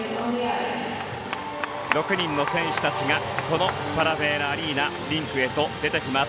６人の選手たちがこのパラベラアリーナのリンクへと出てきます。